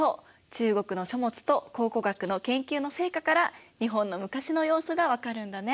中国の書物と考古学の研究の成果から日本の昔の様子が分かるんだね。